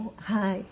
はい。